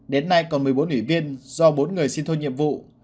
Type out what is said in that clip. đến nay còn một mươi bốn ủy viên do bốn người xin thôi nhiệm vụ